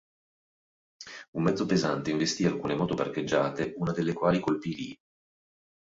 Un mezzo pesante investì alcune moto parcheggiate, una delle quali colpì Lee.